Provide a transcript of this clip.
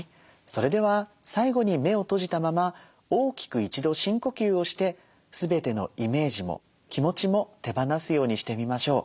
それでは最後に目を閉じたまま大きく一度深呼吸をして全てのイメージも気持ちも手放すようにしてみましょう。